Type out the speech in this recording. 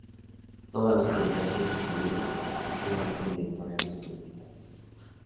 Todas las publicaciones provienen exclusivamente de editoriales universitarias.